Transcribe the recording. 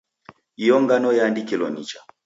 Iyo ngano yaandikilo nicha.